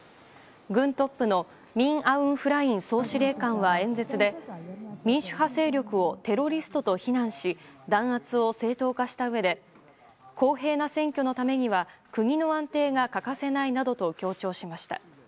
軍トップのミン・アウン・フライン総司令官は演説で民主派勢力をテロリストと非難し弾圧を正当化したうえで公平な選挙のためには国の安定が欠かせないなどと強調しました。